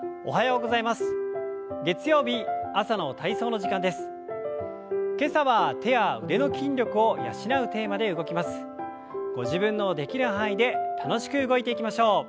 ご自分のできる範囲で楽しく動いていきましょう。